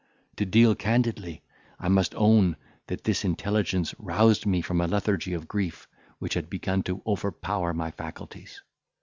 To deal candidly, I must own, that this intelligence roused me from a lethargy of grief which had begun to overpower my faculties.